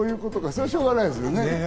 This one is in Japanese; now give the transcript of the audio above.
それはしょうがないですもんね。